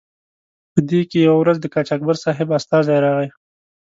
په دې کې یوه ورځ د قاچاقبر صاحب استازی راغی.